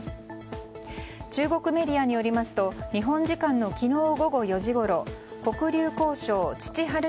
中国メディアによりますと日本時間の昨日午後４時ごろ黒竜江省チチハル